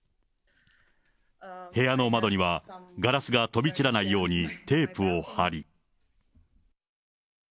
部屋の窓にはガラスが飛び散らないようにテープを貼り。